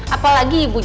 apalagi ibu tiri